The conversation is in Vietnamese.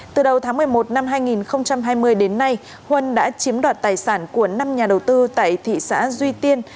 từ đầu tháng một mươi một năm hai nghìn hai mươi đến nay huân đã chiếm đoạt tài sản của năm nhà đầu tư tại thị xã duy tiên